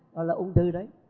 nó là ung thư đấy